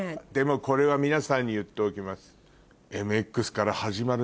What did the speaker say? でもこれは皆さんに言っておきます。